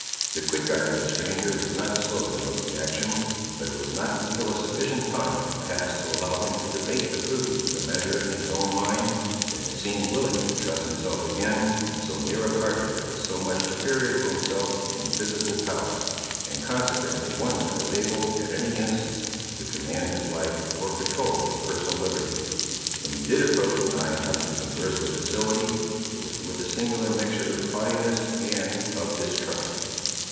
The quick eye of the stranger was not slow to note the action, but it was not until a sufficient time had passed to allow him to debate the prudence of the measure in his own mind, that he seemed willing to trust himself again, so near a party that was so much superior to himself in physical power, and consequently one that was able, at any instant, to command his life, or control his personal liberty. When he did approach nigh enough to converse with facility, it was with a singular mixture of haughtiness and of distrust.